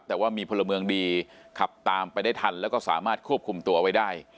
แต่ว่ามีพลเมืองดีขับตามไปได้ทันแล้วก็สามารถควบคุมตัวไว้ได้